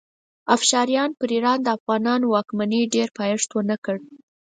افشاریانو پر ایران د افغانانو واکمنۍ ډېر پایښت ونه کړ.